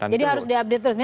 jadi harus diupdate terus